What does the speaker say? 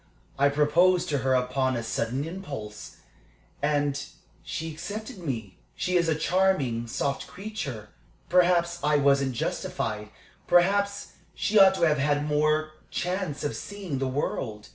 I proposed to her upon a sudden impulse, and she accepted me. She is a charming, soft creature. Perhaps I wasn't justified. Perhaps she ought to have had more chance of seeing the world.